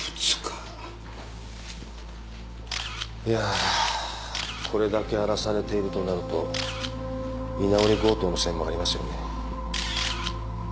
いやぁこれだけ荒らされているとなると居直り強盗の線もありますよね。